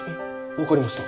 わかりました。